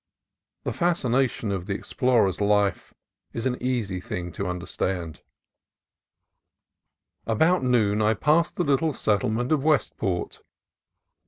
The fascination of the explorer's life is an easy thing to understand. 280 CALIFORNIA COAST TRAILS About noon I passed the little settlement of West port.